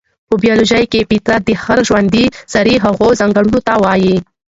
په بيالوژي کې فطرت د هر ژوندي سري هغو ځانګړنو ته وايي،